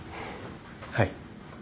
はい。